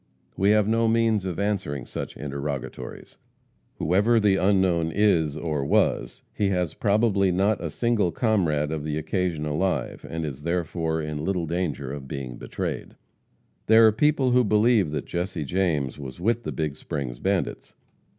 We have no means of answering such interrogatories. Whoever the Unknown is or was, he has probably not a single comrade of the occasion alive, and is therefore in little danger of being betrayed. There are people who believe that Jesse James was with the Big Springs bandits.